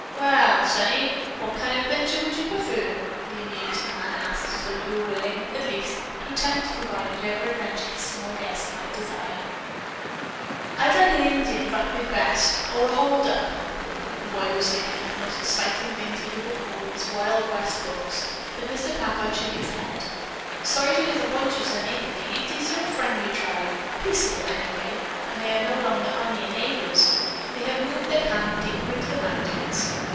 "Well, sonny, what kind of an adventure would you prefer?" the amused man asked as though he were willing, at least, to attempt to provide whatever adventure his small guest might desire. "I'd like an Indian raid best, or a hold up." The boy was thinking of the most exciting things he could recall in his set of Wild West books, but Mr. Packard shook his head. "Sorry to disappoint you, sonny, but the Utes are a friendly tribe: peaceable, anyway, and they are no longer our near neighbors. They have moved their camp deeper into the mountains.